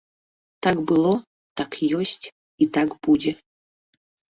Так было, так ёсць і так будзе.